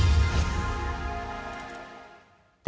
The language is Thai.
ท่านบิ๊กตาแคะน